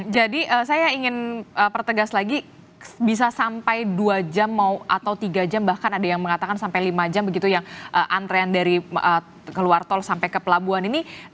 jadi saya ingin pertegas lagi bisa sampai dua jam mau atau tiga jam bahkan ada yang mengatakan sampai lima jam begitu yang antrean dari keluar tol sampai ke pelabuhan ini